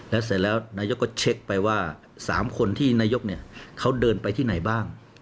แล้วเสร็จแล้วนายกก็เช็คไปว่า๓คนที่นายกเขาเดินไปที่ไหนบ้าง